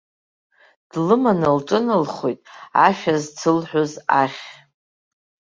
Длыманы лҿыналхоит ашәа зцылҳәоз ахь.